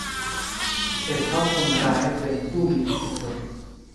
เหตุเพราะคนร้ายเป็นผู้มีอิทธิพล